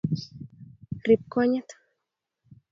riib konyit